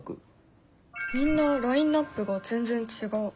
みんなラインナップが全然違う。